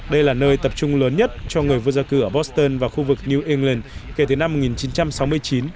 đây là nơi tập trung lớn nhất cho người vô gia cư ở boston và khu vực new england kể từ năm một nghìn chín trăm sáu mươi chín